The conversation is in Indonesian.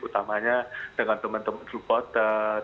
utamanya dengan teman teman supporter